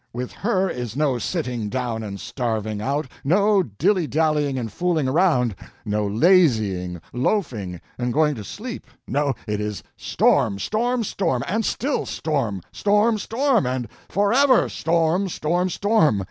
With her is no sitting down and starving out; no dilly dallying and fooling around; no lazying, loafing, and going to sleep; no, it is storm! storm! storm! and still storm! storm! storm! and forever storm! storm! storm!